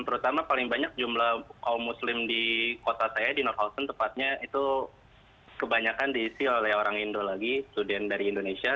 terutama paling banyak jumlah kaum muslim di kota saya di norkalson tepatnya itu kebanyakan diisi oleh orang indo lagi student dari indonesia